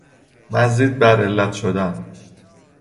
مزید بر علت شدن